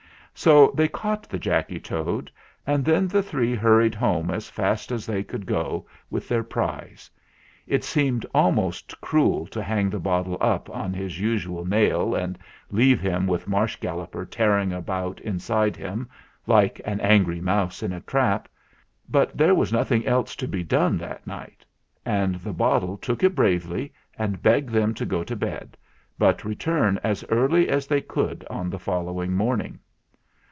So they caught the Jacky Toad, and then the three hurried home as fast as they could go with their prize. It seemed almost cruel to hang the bottle up on his usual nail and leave him with Marsh Galloper tearing about inside him, like an angry mouse in a trap; but there was nothing else to be done that night ; and the bottle took it bravely and begged them to go to bed, but return as early as they could on the following morning.